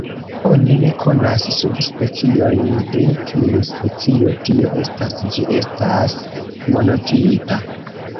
Oni ne konas subspeciojn de tiu specio, tio estas ĝi estas monotipa.